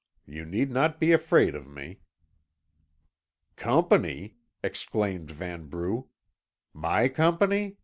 You need not be afraid of me." "Company!" exclaimed Vanbrugh.